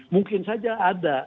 mungkin saja ada